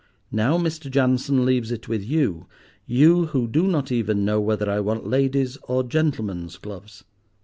Now Mr. Jansen leaves it with you—you who do not even know whether I want ladies' or gentlemen's gloves.